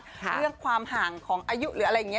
เรื่องความห่างของอายุหรืออะไรอย่างนี้